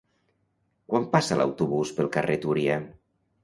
Quan passa l'autobús pel carrer Túria?